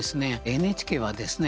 ＮＨＫはですね